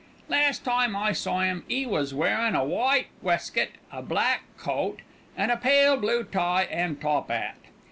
"Last time I saw 'im 'e was wearing a white weskit, a black coat, and a pale blue tie and top 'at.